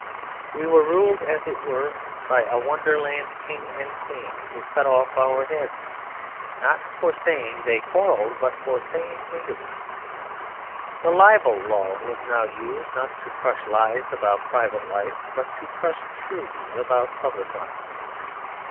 We were ruled, as it were, by a Wonderland king and queen, who cut off our heads, not for saying they quarrelled but for saying they didn't. The libel law was now used, not to crush lies about private life, but to crush truths about public life.